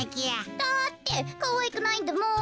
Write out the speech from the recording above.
だってかわいくないんだもん。